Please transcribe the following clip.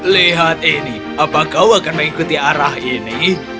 lihat ini apa kau akan mengikuti arah ini